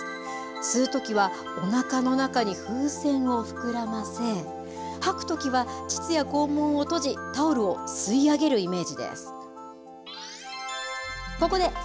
吸うときは、おなかの中に風船を膨らませ、吐くときは膣や肛門を閉じ、タオルを吸い上げるイメージです。